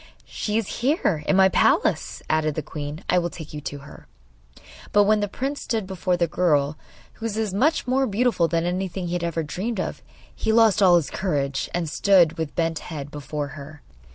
'She is here, in my palace,' added the queen. 'I will take you to her.' But when the prince stood before the girl, who was so much more beautiful than anything he had ever dreamed of, he lost all his courage, and stood with bent head before her.